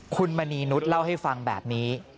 คุณมณีนุษย์เล่าให้ฟังแบบนี้